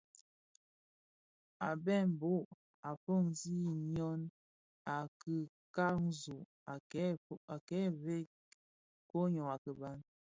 A mbembo a foňi ňyon a kikanzog a kè vëg koň ňyô a kiban.